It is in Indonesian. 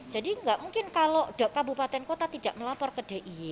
jadi nggak mungkin kalau kabupaten kota tidak melapor ke d i y